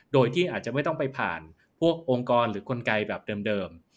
โดยที่อาจจะไม่ต้องไปผ่านพวกองค์กรหรือกลไกแบบเดิม